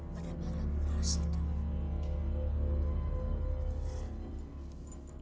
tidak disembus tanah kosong